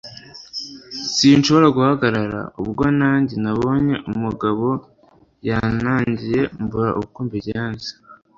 sinshobora guhagarara! ubwo njye nabonye umugabo yanangiye , mbura uko mbigenza